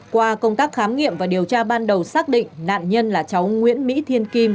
qua công tác khám nghiệm và điều tra ban đầu xác định nạn nhân là cháu nguyễn mỹ thiên kim